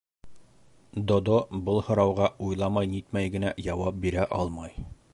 Додо был һорауға уйламай-нитмәй генә яуап бирә алмай